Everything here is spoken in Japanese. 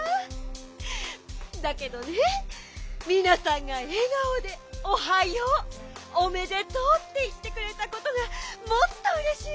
だけどねみなさんがえがおで「おはよう。おめでとう」っていってくれたことがもっとうれしいわ。